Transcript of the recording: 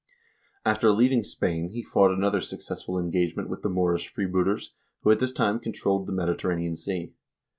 After leaving Spain he fought another successful engagement with the Moorish freebooters, who at this time controlled the Mediter ranean Sea.